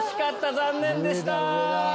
残念でした。